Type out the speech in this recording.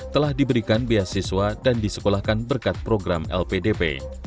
telah diberikan beasiswa dan disekolahkan berkat program lpdp